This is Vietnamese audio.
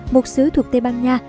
một xứ thuộc tây ban nha